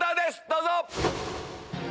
どうぞ！